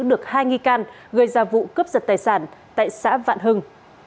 được hai nghi can gây ra vụ cướp giật tài sản tại xã vạn hưng